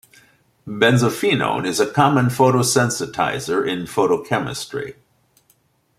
Benzophenone is a common photosensitizer in photochemistry.